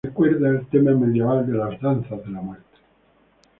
Recuerda el tema medieval de las danzas de la muerte.